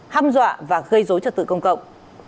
hăm dọa và gây dối trật tự công cộng